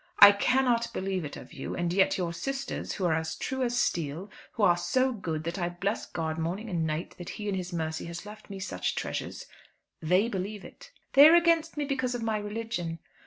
"I cannot believe it of you; and yet, your sisters who are as true as steel, who are so good that I bless God morning and night that He in His mercy has left me such treasures, they believe it." "They are against me because of my religion."